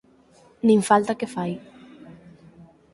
Nin falta que fai.